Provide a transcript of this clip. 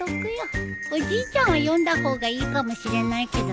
おじいちゃんは読んだ方がいいかもしれないけどね。